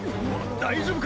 大丈夫か⁉